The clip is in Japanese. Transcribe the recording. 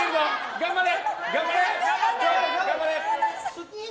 頑張れ！